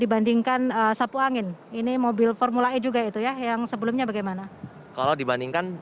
dibandingkan sapu angin ini mobil formula e juga itu ya yang sebelumnya bagaimana kalau dibandingkan